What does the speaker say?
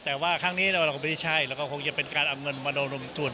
แต่ว่าครั้งนี้เราก็ไม่ใช่เราก็คงจะเป็นการเอาเงินมาโดนลงทุน